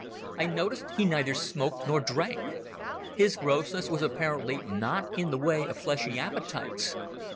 I noticed he neither smoked nor drank. His grossness was apparently not in the way of fleshly appetites.